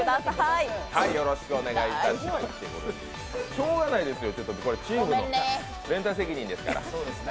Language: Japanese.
しょうがないですよチームの連帯責任ですから。